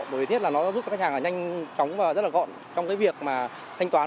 bởi vì thiết là nó giúp cho khách hàng nhanh chóng và rất gọn trong việc thanh toán